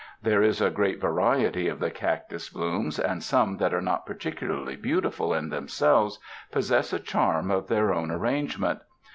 There is a great variety of the cactus blooms, and some that are not particularly beautiful in themselves possess a charm in their ar rangement.